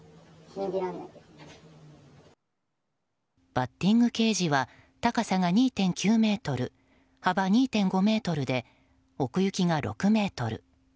バッティングケージは高さが２．９ｍ幅２．５ｍで奥行きが６ｍ。